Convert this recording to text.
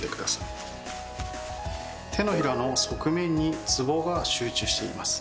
手のひらの側面につぼが集中しています。